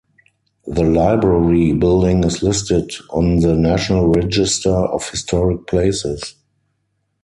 The library building is listed on the National Register of Historic Places.